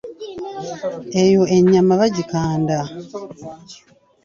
Eyo ennyama bagikanda.